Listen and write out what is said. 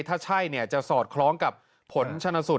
ถ้าใช่จะสอดคล้องกับผลชนสูตรในเบื้องต้น